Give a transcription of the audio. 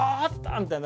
みたいな。